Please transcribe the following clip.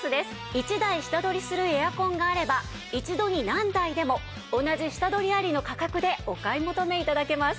１台下取りするエアコンがあれば一度に何台でも同じ下取りありの価格でお買い求め頂けます。